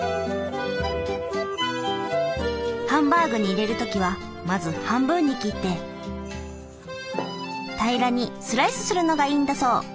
ハンバーグに入れる時はまず半分に切って平らにスライスするのがいいんだそう。